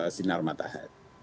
dengan sinar matahari